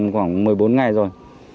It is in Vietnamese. khoảng một mươi bốn ngày rồi